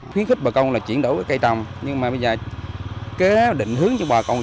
khuyến khích bà con là chuyển đổi cây trồng nhưng mà bây giờ kế định hướng cho bà con